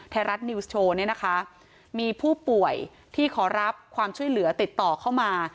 ไทยรัฐนิวส์โชว์เนี่ยนะคะมีผู้ป่วยที่ขอรับความช่วยเหลือติดต่อเข้ามา